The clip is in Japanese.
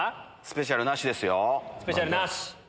スペシャルメニューなしですよ。